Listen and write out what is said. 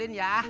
maaf ya mas pur